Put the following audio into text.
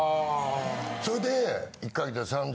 それで。